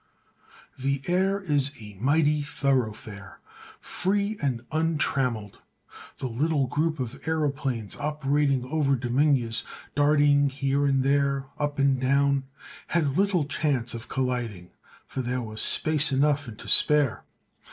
The air is a mighty thoroughfare, free and untrammeled. The little group of aëroplanes operating over Dominguez—darting here and there, up and down—had little chance of colliding, for there was space enough and to spare.